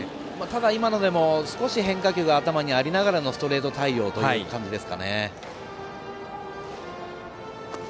今のでも少し変化球が頭にありながらのストレート対応というところです。